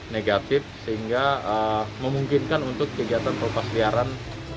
negatif sehingga memungkinkan untuk kegiatan pelepas liaran